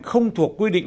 không thuộc quy định